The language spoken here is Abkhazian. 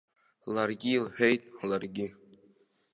Ларгьы илҳәеит, ларгьы.